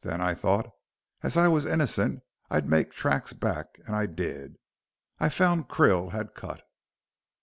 Then I thought, as I wos innocent, I'd make tracks back, and I did. I found Krill had cut."